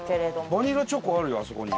バニラチョコあるよあそこに。